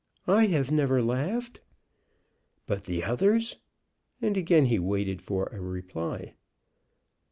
"I have never laughed." "But the others?" And again he waited for a reply.